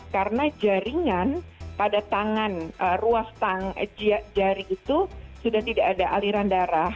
karena jaringan pada tangan ruas tangan jari itu sudah tidak ada aliran darah